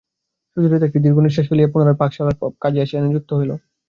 সুচরিতা একটি দীর্ঘনিশ্বাস ফেলিয়া পুনরায় পাকশালার কাজে আসিয়া নিযুক্ত হইল।